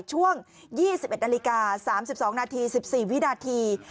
ช่วง๒๑นาฬิกา๓๒นาที๑๔วินาที